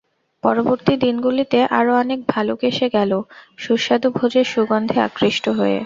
পরবর্তী দিনগুলিতে, আরও অনেক ভালুক এসে গেল, সুস্বাদু ভোজের সুগন্ধে আকৃষ্ট হয়ে।